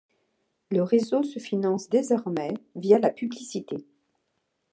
Le réseau se finance désormais via la publicité.